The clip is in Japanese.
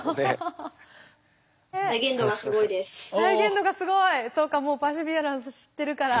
「再現度がすごい」そうかもうパーシビアランス知ってるから。